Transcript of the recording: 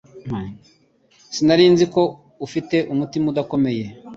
Sinari nzi ko afite umutima udakomeye